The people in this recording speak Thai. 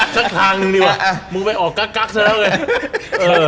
สักทางนึงดีวะมึงไปออกกั๊กเสร็จแล้วไง